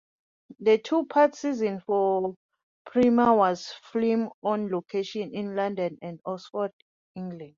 The two-part season four premiere was filmed on location in London and Oxford, England.